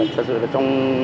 thật sự là trong